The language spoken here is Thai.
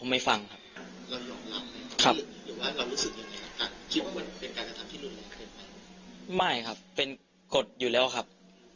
ไม่ครับเป็นกฏอยู่แล้วครับ